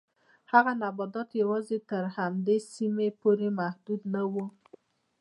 هغه نباتات یوازې تر همدې سیمې پورې محدود نه و.